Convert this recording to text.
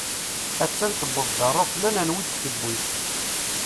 A-tt-an tewweḍ-d ṛṛuplan, Anwi i d-tewwi.